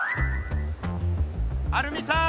アルミさん！